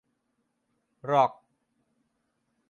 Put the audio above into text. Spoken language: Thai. หรอก